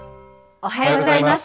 おはようございます。